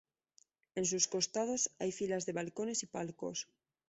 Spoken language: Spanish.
En sus costados, hay filas de balcones y palcos.